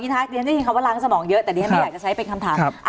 ดิฉันแค่สิ่งค้าว่าร้างสมองเยอะแต่เดี๋ยวมันอยากจะใช้เป็นคำถามครับครับ